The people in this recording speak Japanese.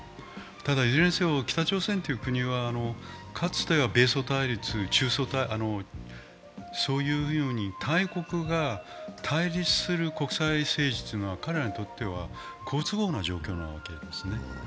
ただ、いずれにせよ北朝鮮という国はかつては米ソ対立、中ソ対立、そういうように、大国が対立する国際政治というのは、彼らにとっては好都合な状況なわけですね。